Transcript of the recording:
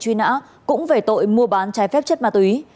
truy nã cũng về tội mua bán trái phép chất ma túy